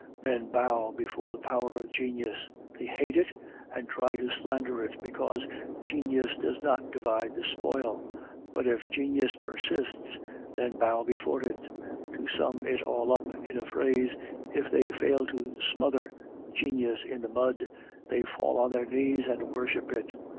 Men bow before the power of genius; they hate it, and try to slander it, because genius does not divide the spoil; but if genius persists, they bow before it. To sum it all up in a phrase, if they fail to smother genius in the mud, they fall on their knees and worship it.